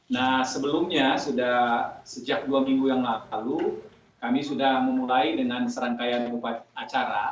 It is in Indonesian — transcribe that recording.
nah sebelumnya sudah sejak dua minggu yang lalu kami sudah memulai dengan serangkaian upacara